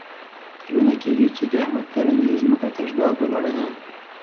کلونه کېږي چې د احمد کرنیزه ځمکه تش ډاګ ولاړه ده.